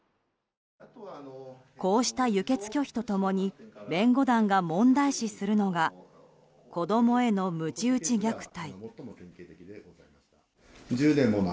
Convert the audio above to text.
こうした輸血拒否と共に弁護団が問題視するのは子供への鞭打ち虐待。